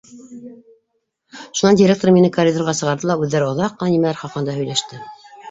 Шунан директор мине коридорға сығарҙы ла, үҙҙәре оҙаҡ ҡына нимәлер хаҡында һөйләште.